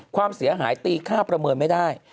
ความเสียหายตีค่าประเมินไม่ได้